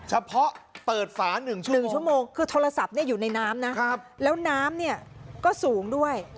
เฉพาะเปิดฝา๑ชั่วโมง๑ชั่วโมงคือโทรศัพท์อยู่ในน้ำนะแล้วน้ำเนี่ยก็สูงด้วย